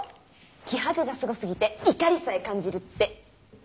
「気迫がすごすぎて怒りさえ感じる」って。